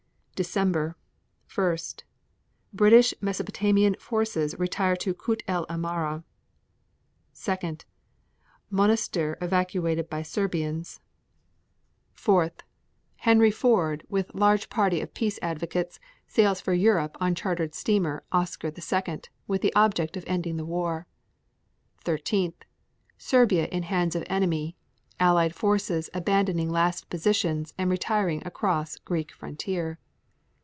December 1. British Mesopotamian forces retire to Kut el Amara. 2. Monastir evacuated by Serbians. 4. Henry Ford, with large party of peace advocates, sails for Europe on chartered steamer Oscar II, with the object of ending the war. 13. Serbia in hands of enemy, Allied forces abandoning last positions and retiring across Greek frontier.